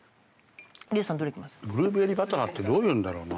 ブルーベリーバターってどういうんだろうな。